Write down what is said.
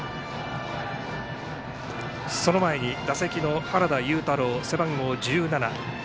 その前に打席の原田悠太郎背番号１７。